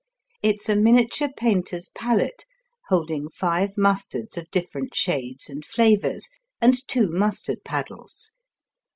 It's a miniature painter's palate holding five mustards of different shades and flavors and two mustard paddles.